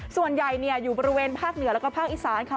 ส่วนใหญ่อยู่บริเวณภาคเหนือแล้วก็ภาคอีสานค่ะ